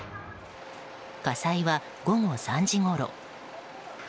火災は午後３時ごろ